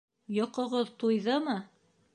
Йоҡоғоҙ туйҙымы?